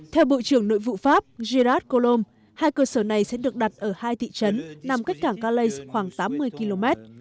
theo bộ trưởng nội vụ pháp grad colom hai cơ sở này sẽ được đặt ở hai thị trấn nằm cách cảng calais khoảng tám mươi km